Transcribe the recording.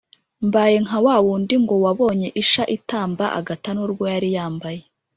mbaye nka wa wundi ngo wabonye isha itamba agata n'urwo yari yambaye!